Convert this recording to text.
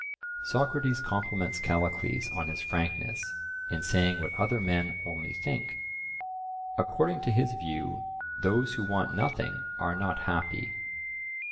Socrates compliments Callicles on his frankness in saying what other men only think. According to his view, those who want nothing are not happy.